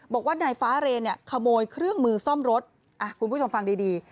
บอกว่านายฟ้าเรนเนี่ยขโมยเครื่องมือซ่อมรถคุณผู้ชมฟังดีดี